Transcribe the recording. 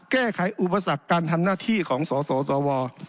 แก้ไขอุปสรรคการทำหน้าที่ของสสว